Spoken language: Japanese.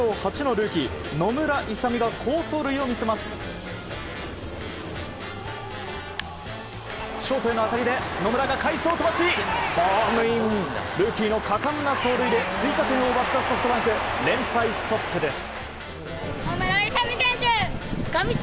ルーキーの果敢な走塁で追加点を奪ったソフトバンク連敗ストップです。